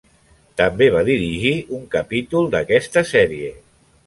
També va dirigir un capítol d'aquesta sèrie.